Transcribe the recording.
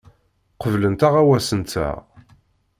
Qeblent aɣawas-nteɣ.